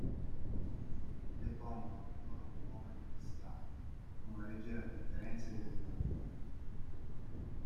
Depongono le loro uova in due strati, con una leggera differenza di temperatura.